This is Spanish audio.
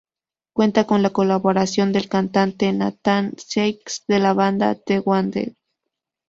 Cuenta con la colaboración del cantante Nathan Sykes de la banda The Wanted.